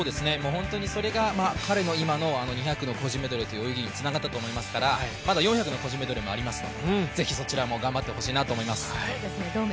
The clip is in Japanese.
それが彼の今の２００の個人メドレーという泳ぎにつながったと思いますのでまだ４００の個人メドレーもありますからぜひそちらも頑張ってもらいたいと思います。